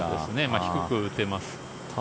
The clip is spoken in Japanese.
低く打てます。